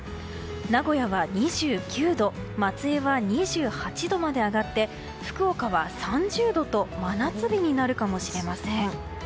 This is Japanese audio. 名古屋は２９度松江は２８度まで上がって福岡は３０度と真夏日になるかもしれません。